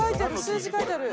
数字書いてある。